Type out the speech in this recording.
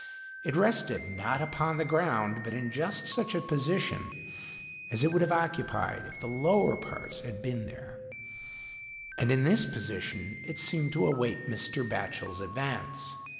It rested, not upon'the ground, but in just such a position as it would have occupied if the lower parts had been there, and in this position it seemed to await Mr. Batchel's advance.